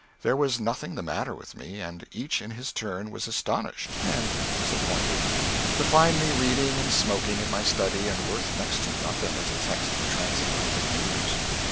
There was nothing the matter with me, and each in his turn was astonished, and disappointed, to find me reading and smoking in my study and worth next to nothing as a text for transatlantic news.